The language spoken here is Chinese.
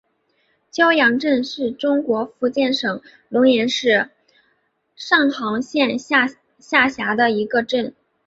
蛟洋镇是中国福建省龙岩市上杭县下辖的一个镇。